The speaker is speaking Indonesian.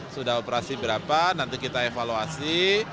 sudah operasi berapa nanti kita evaluasi